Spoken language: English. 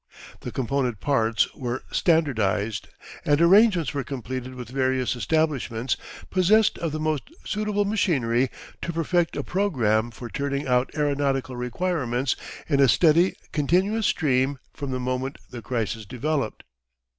The component parts were standardised and arrangements were completed with various establishments possessed of the most suitable machinery to perfect a programme for turning out aeronautical requirements in a steady, continuous stream from the moment the crisis developed.